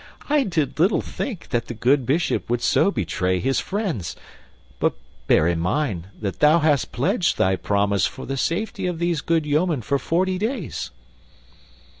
I did little think that the good Bishop would so betray his friends. But bear in mind that thou hast pledged thy promise for the safety of these good yeomen for forty days."